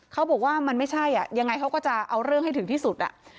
เขาบอกว่ามันไม่ใช่อ่ะยังไงเขาก็จะเอาเรื่องให้ถึงที่สุด